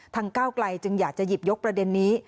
ก้าวไกลจึงอยากจะหยิบยกประเด็นนี้